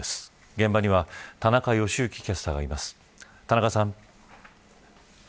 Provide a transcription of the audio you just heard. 現場には田中良幸キャスターがいます。